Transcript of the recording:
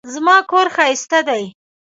زما کور ښايسته دی